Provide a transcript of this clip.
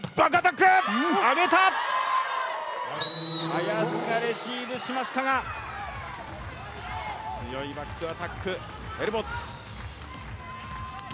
林がレシーブしましたが、強いバックアタック、ヘルボッツ。